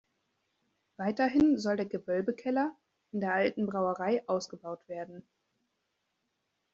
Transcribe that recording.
Weiterhin soll der Gewölbekeller in der Alten Brauerei ausgebaut werden.